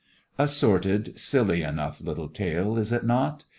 A sordid, silly enough little tale, is it not?